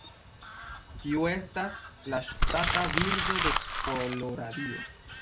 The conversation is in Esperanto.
Tiu estas la ŝtata birdo de Koloradio.